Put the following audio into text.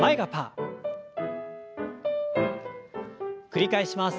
繰り返します。